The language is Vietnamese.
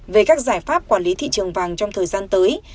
về các giải pháp quản lý thị trường vàng trong thời gian tới